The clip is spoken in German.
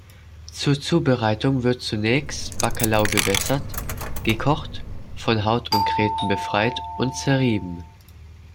Zur Zubereitung wird zunächst Bacalhau gewässert, gekocht, von Haut und Gräten befreit und zerrieben.